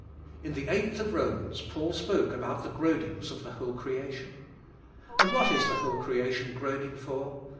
In the eighth of Romans, Paul spoke about the groanings of the whole creation. And what is the whole creation groaning for?